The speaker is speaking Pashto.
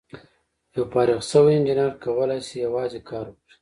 یو فارغ شوی انجینر کولای شي یوازې کار وکړي.